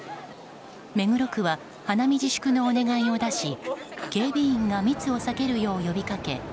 目黒区は花見自粛のお願いを出し警備員が密を避けるよう呼びかけ